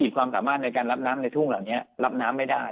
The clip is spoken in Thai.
ความสามารถในการรับน้ำในทุ่งเหล่านี้รับน้ำไม่ได้